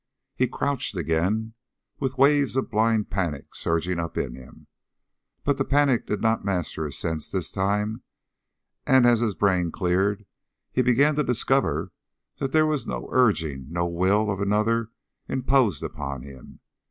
He crouched again, with waves of blind panic surging up in him, but the panic did not master his sense this time, and as his brain cleared he began to discover that there was no urging, no will of another imposed upon him.